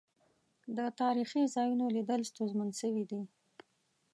د تاريخي ځا يونوليدل ستونزمن سويدی.